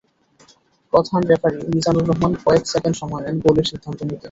প্রধান রেফারি মিজানুর রহমান কয়েক সেকেন্ড সময় নেন গোলের সিদ্ধান্ত দিতে।